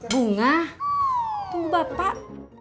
bunga tunggu bapak